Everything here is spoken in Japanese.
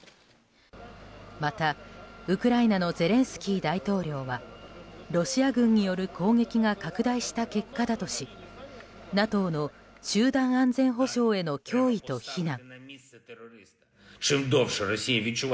またウクライナのゼレンスキー大統領はロシア軍による攻撃が拡大した結果だとしＮＡＴＯの集団安全保障への脅威と非難。